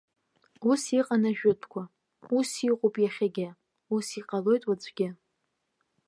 Ус иҟан ажәытәқәа, ус иҟоуп иахьагьы, ус иҟалоит уаҵәгьы!